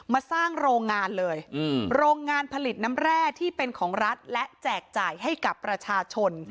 มาสร้างโรงงานเลยโรงงานผลิตน้ำแร่ที่เป็นของรัฐและแจกจ่ายให้กับประชาชน